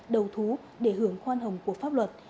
đầu thú để hưởng khoan hồng của pháp luật